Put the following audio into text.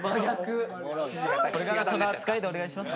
これからはその扱いでお願いします。